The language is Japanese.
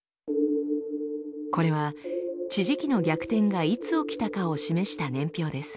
これは地磁気の逆転がいつ起きたかを示した年表です。